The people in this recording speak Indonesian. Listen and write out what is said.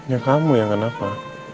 ya kamu yang kenapa